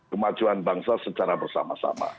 kemajuan bangsa secara bersama sama